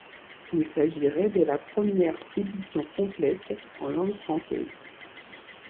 Il s'agirait de la première édition complète en langue française.